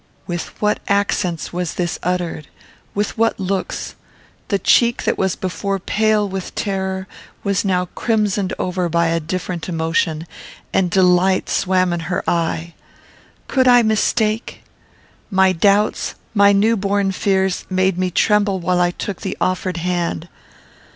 With what accents was this uttered! With what looks! The cheek that was before pale with terror was now crimsoned over by a different emotion, and delight swam in her eye. Could I mistake? My doubts, my new born fears, made me tremble while I took the offered hand.